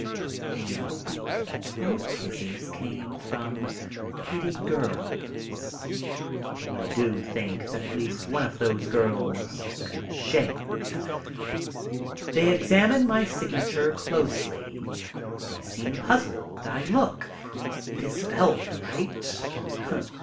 I am hoping that both kisses came from pretty girls, though I do think that at least one of those girls should shave. They examine my signature closely. They seem puzzled. I look. It is spelled right.